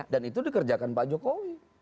dan itu dikerjakan pak jokowi